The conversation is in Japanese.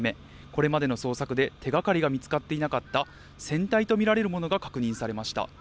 これまでの捜索で手がかりが見つかっていなかった船体と見られるものが確認されました。